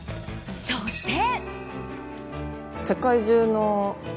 そして。